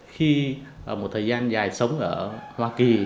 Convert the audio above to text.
khi một thời gian dài sống ở hoa kỳ